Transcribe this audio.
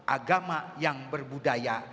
agama yang berbudaya